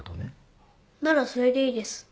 ならそれでいいです。